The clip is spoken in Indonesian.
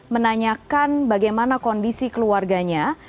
menanyakan bagaimana kondisi keluarganya